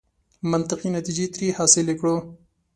منطقي نتیجې ترې حاصلې کړو.